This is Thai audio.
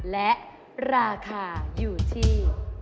และราคาอยู่ที่